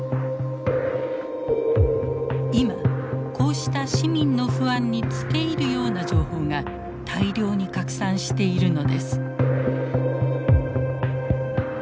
今こうした市民の不安につけいるような情報が大量に拡散しているのです。